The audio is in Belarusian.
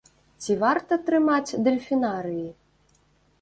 Ці варта трымаць дэльфінарыі?